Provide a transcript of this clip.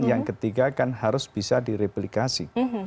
yang ketiga kan harus bisa direplikasi